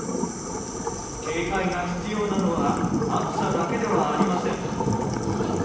警戒が必要なのは暑さだけではありません。